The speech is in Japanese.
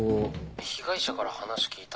被害者から話聞いた？